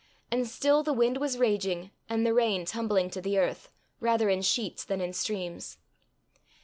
And still the wind was raging, and the rain tumbling to the earth, rather in sheets than in streams.